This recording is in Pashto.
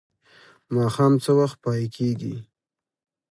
ماښام څه وخت پای کیږي؟